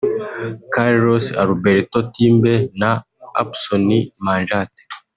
Carlos Alberto Timbe na Apson Manjate